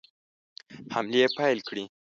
حملې پیل کړې.